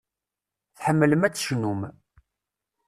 Tḥemmlem ad tecnum.